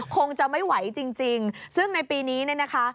คงจะไม่ไหวจริงซึ่งในปีนี้เนี่ยนะคะ